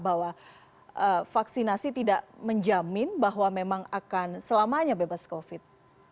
bahwa vaksinasi tidak menjamin bahwa memang akan selamanya bebas covid